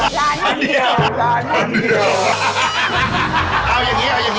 ร้านอย่างเดียว